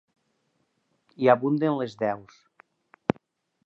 Hi abunden les deus.